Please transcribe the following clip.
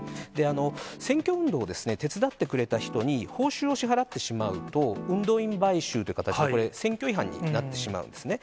選挙運動を手伝ってくれた人に報酬を支払ってしまうと、運動員買収という形で、これ、選挙違反になってしまうんですね。